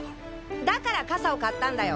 だから傘を買ったんだよ！